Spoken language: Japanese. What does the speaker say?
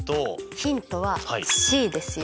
ヒントはＣですよ。